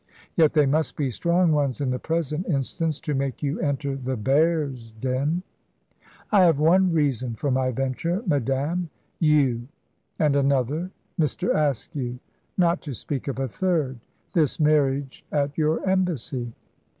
"Yet they must be strong ones in the present instance, to make you enter the bear's den." "I have one reason for my venture, madame you; and another Mr. Askew; not to speak of a third this marriage at your Embassy."